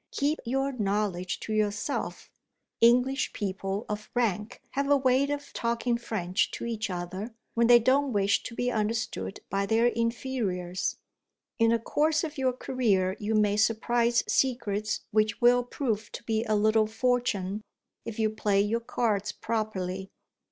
Keep your knowledge to yourself. English people of rank have a way of talking French to each other, when they don't wish to be understood by their inferiors. In the course of your career, you may surprise secrets which will prove to be a little fortune, if you play your cards properly.